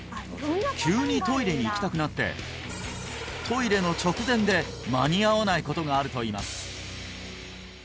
急にトイレに行きたくなってトイレの直前で間に合わないことがあるといいます